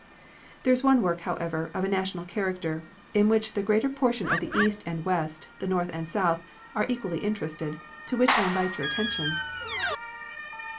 There is one work, however, of a national character, in which the greater portion of the East and the West, the North and the South, are equally interested, to which I will invite your attention.